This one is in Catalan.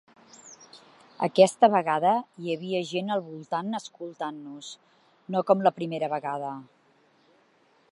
Aquesta vegada hi havia gent al voltant escoltant-nos, no com la primera vegada.